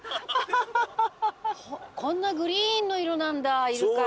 こんなグリーンの色なんだイルカって。